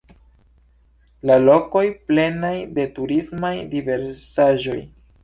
La lokoj plenaj de turismaj diversaĵoj.